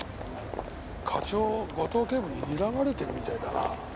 課長五島警部ににらまれてるみたいだな。